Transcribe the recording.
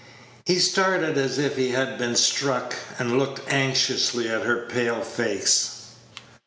He started as if he had been struck, and looked anxiously at her pale face.